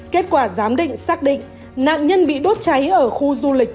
kết quả giám định xác định nạn nhân bị đốt cháy ở khu du lịch